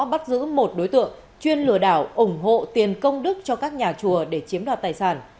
bắt giữ một đối tượng chuyên lừa đảo ủng hộ tiền công đức cho các nhà chùa để chiếm đoạt tài sản